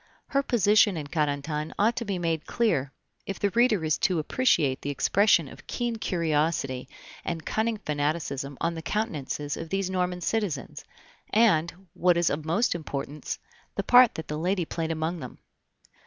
Her position in Carentan ought to be made clear, if the reader is to appreciate the expression of keen curiosity and cunning fanaticism on the countenances of these Norman citizens, and, what is of most importance, the part that the lady played among them.